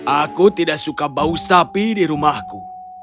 aku tidak suka bau sapi di rumahku